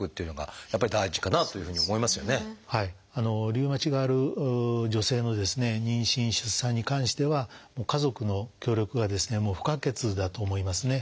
リウマチがある女性の妊娠・出産に関しては家族の協力が不可欠だと思いますね。